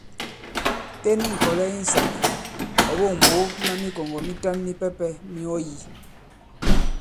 Ten ŋ̀kɔ̀lɛ insāk, ɔ̀ ɓôŋ mǒ ma mikɔ̀ŋgɔ̀ mitan mipɛpɛ̄ mi ɔ yī.